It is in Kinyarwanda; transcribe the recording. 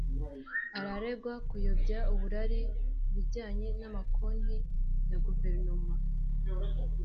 araregwa kuyobya uburari ku bijyanye n'amakonti ya guverinoma